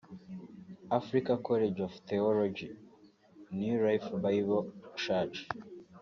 Africa College of Theology (New Life Bible Church)